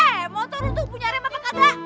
hei motor lu tuh punya rem apa kagak